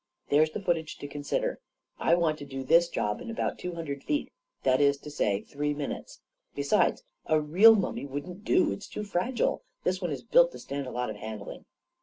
There's the footage to con sider. I want to do this job in about two hundred feet — that is to say, three minutes. Besides, a real mummy wouldn't do. It's too fragile. This one is built to stand a lot of handling."